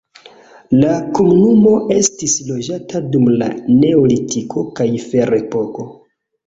La komunumo estis loĝata dum la neolitiko kaj ferepoko.